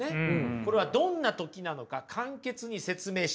これはどんな時なのか簡潔に説明してください。